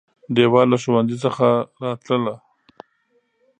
ډېوه له ښوونځي څخه راتلله